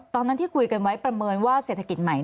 ตอนนั้นที่คุยกันไว้ประเมินว่าเศรษฐกิจใหม่